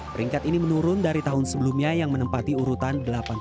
peringkat ini menurun dari tahun sebelumnya yang menempati urutan delapan puluh